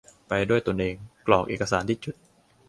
ไปด้วยตนเอง กรอกเอกสารที่จุด